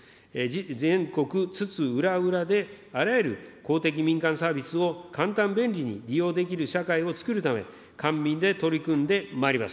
全国津々浦々であらゆる公的民間サービスを簡単、便利に利用できる社会をつくるため、官民で取り組んでまいります。